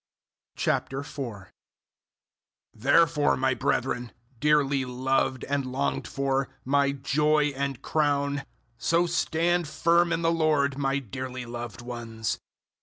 004:001 Therefore, my brethren, dearly loved and longed for, my joy and crown, so stand firm in the Lord, my dearly loved ones.